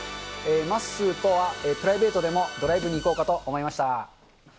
まっすーとはプライベートでもドライブに行こうかと思いました。